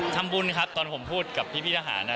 ทำบุญครับตอนผมพูดกับพี่ทหาร